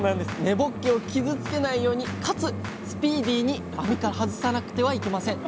根ぼっけを傷つけないようにかつスピーディーに網から外さなくてはいけません。